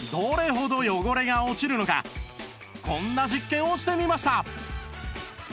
こんな実験をしてみました